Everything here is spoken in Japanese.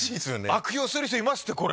悪用する人いますってこれ。